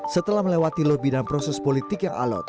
setelah melewati lobby dan proses politik yang alot